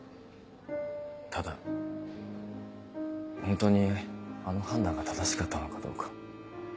ただ本当にあの判断が正しかったのかどうか。